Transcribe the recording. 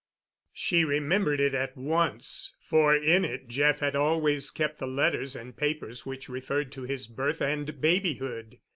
She remembered it at once—for in it Jeff had always kept the letters and papers which referred to his birth and babyhood.